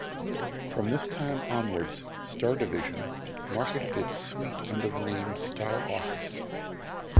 From this time onwards StarDivision marketed its suite under the name StarOffice.